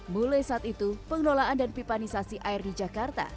mulai saat itu pengelolaan dan pipanisasi air di jakarta